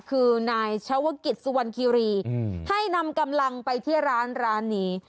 คือนายชาวกิจสุวรรณคีรีให้นำกำลังไปที่ร้านร้านนี้